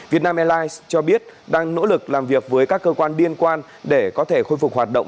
việt nam airlines cho biết đang nỗ lực làm việc với các cơ quan liên quan để có thể khôi phục hoạt động